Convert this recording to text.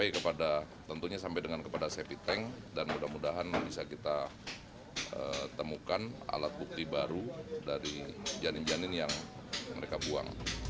tentunya sampai dengan kepada septic tank dan mudah mudahan bisa kita temukan alat bukti baru dari janin janin yang mereka buang